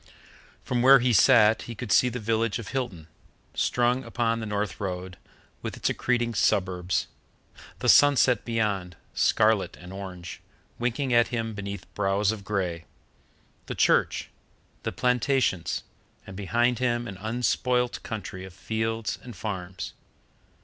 From where he sat he could see the village of Hilton, strung upon the North Road, with its accreting suburbs; the sunset beyond, scarlet and orange, winking at him beneath brows of grey; the church; the plantations; and behind him an unspoilt country of fields and farms.